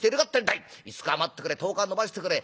５日待ってくれ１０日延ばしてくれ